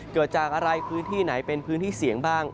เกิดจากอะไรพื้นที่ไหนเป็นพื้นที่เสี่ยงบ้าง